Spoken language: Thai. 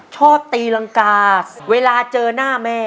ชอบตีรังกาเวลาเจอหน้าแม่